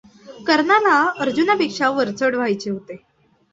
कर्णाला अर्जुनापेक्षा वरचढ व्हायचे होते.